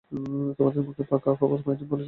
তোমার মুখে পাকা খবর পাই নি বলে চুপ করে আছি।